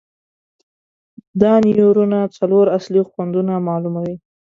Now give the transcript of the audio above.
دا نیورونونه څلور اصلي خوندونه معلوموي.